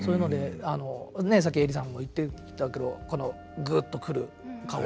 ねえさっきえりさんも言っていたけどこのぐっとくる顔。